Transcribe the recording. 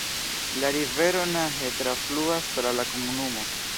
La rivero Nahe trafluas tra la komunumo.